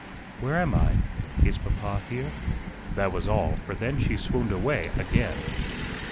"Where am I? Is papa here?" That was all, for then she swooned away again.